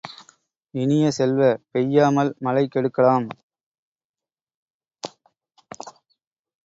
இனிய செல்வ, பெய்யாமல் மழை கெடுக்கலாம்.